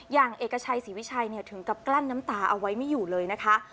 อย่างเอกชัยศรีวิชัยถึงกับกลั้นน้ำตาเอาไว้ไม่อยู่เลยนะคะ